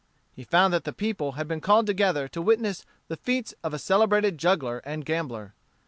He found that the people had been called together to witness the feats of a celebrated juggler and gambler.